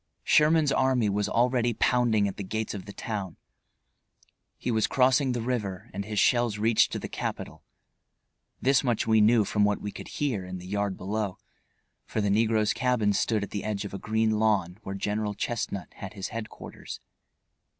Sherman's army was already pounding at the gates of the town. He was crossing the river and his shells reached to the capital. This much we knew from what we could hear in the yard below, for the negro's cabin stood at the edge of a green lawn where General Chestnut had his headquarters.